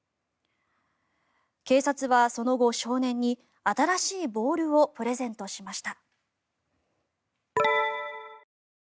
警察はその後、少年に新しいボールをプレゼントしました。